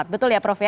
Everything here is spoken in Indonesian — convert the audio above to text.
betul ya prof ya